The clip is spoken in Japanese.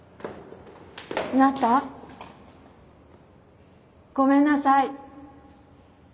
あなたごめんなさい。